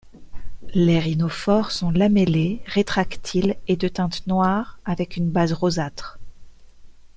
Les rhinophores sont lamellés, rétractiles et de teinte noire avec une base rosâtre.